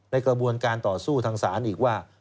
ในกระบวนการต่อสู้ทางศาลอีกว่า